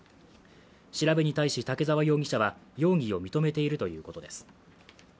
調べに対し竹沢容疑者は容疑を認めているということです。